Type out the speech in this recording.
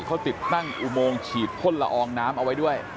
เขาติดตั้งอุโมงฉีดพ่นละอองน้ำเอาไว้ด้วย